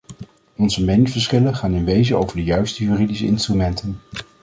Onze meningsverschillen gaan in wezen over de juiste juridische instrumenten.